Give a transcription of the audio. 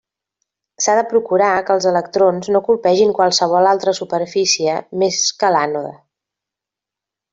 S'ha de procurar que els electrons no colpegin qualsevol altra superfície més que l'ànode.